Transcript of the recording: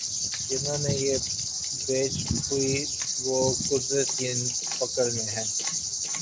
جنہوں نے یہ بیج بوئے وہ قدرت کی پکڑ میں ہیں۔